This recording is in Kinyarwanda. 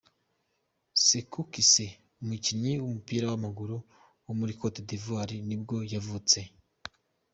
Sekou Cissé, umukinnyi w’umupira w’amaguru wo muri Cote D’ivoire nibwo yavutse.